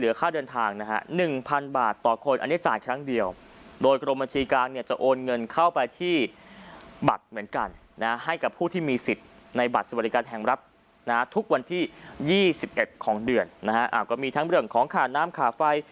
ทุกวันที่๒๑ของเดือนนะครับก็มีทั้งเรื่องของข้าน้ำขาไฟ